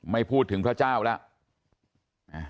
ไม่พูดถึงพระเจ้าแล้ว